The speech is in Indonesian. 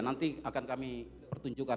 nanti akan kami pertunjukkan